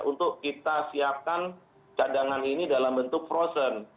untuk kita siapkan cadangan ini dalam bentuk frozen